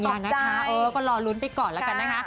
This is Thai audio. ยังนะคะเออก็รอล้นไปก่อนกันนะ